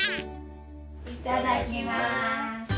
いただきます。